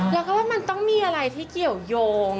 แล้วก็ว่ามันต้องมีอะไรที่เกี่ยวยง